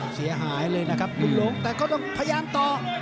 เสียหายเลยนะครับบุญหลงแต่ก็ต้องพยายามต่อ